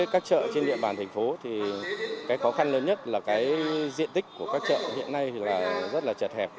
cái khó khăn lớn nhất là cái diện tích của các chợ hiện nay là rất là chật hẹp